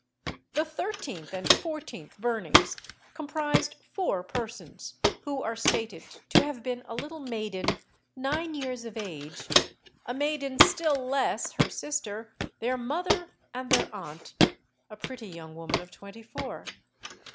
The thirteenth and fourteenth burnings comprised four persons, who are stated to have been a little maiden nine years of age, a maiden still less, her sister, their mother, and their aunt, a pretty young woman of twenty four.